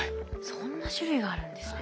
そんな種類があるんですね。